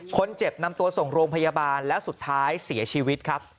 คนเจ็บนำตัวส่งโรงพยาบาลแล้วสุดท้ายเสียชีวิตครับ